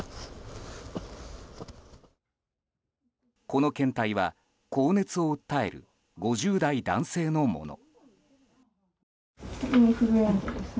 この検体は高熱を訴える５０代男性のもの。